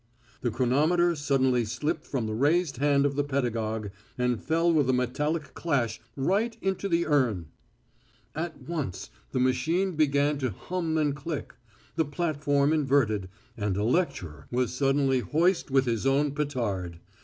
The chronometer suddenly slipped from the raised hand of the pedagogue, and fell with a metallic clash right into the urn. At once the machine began to hum and click. The platform inverted, and the lecturer was suddenly hoist with his own petard.